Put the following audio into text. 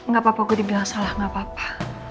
gak apa apa gue dibilang salah nggak apa apa